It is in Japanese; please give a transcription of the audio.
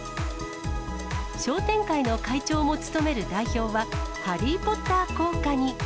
商店会の会長も務める代表は、ハリー・ポッター効果に。